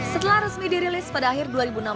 setelah resmi dirilis pada akhir dua ribu enam belas